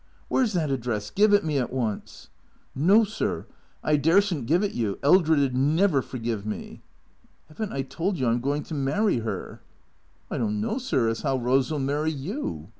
Where 's that address? Give it me at once." " iSTo, sir, I darsen't give it vou. Eldred 'd never forgive me." "Haven't I told you I'm going to marry her?" 44 THECEEATORS " I don't know, sir, as 'ow Rose '11 marry you.